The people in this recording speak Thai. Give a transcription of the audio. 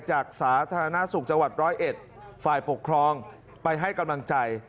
สาธารณสุขจังหวัดร้อยเอ็ดฝ่ายปกครองไปให้กำลังใจ